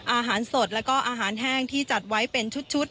อาหารสดแล้วก็อาหารแห้งที่จัดไว้เป็นชุด